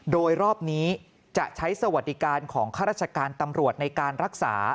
โดยรอบนี้จะใช้สวัสดิการของข้าราชการตำรวจในการรักษา